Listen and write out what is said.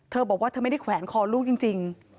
เธอบอกว่าเธอไม่ได้แขวนคอลูกจริง